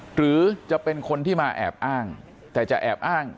หรือจะเป็นคนที่มาแอบอ้างแต่จะแอบอ้าง